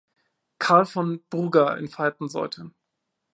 Karl von Burger entfalten sollte.